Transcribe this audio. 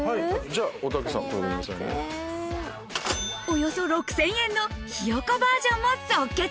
およそ６０００円のひよこバージョンも即決！